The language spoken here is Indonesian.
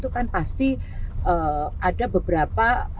itu kan pasti ada beberapa